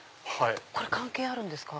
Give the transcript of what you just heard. これ関係あるんですか？